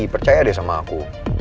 percaya deh sama aku